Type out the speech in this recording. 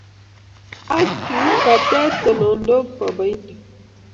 Aki ratet tulondok boiboindo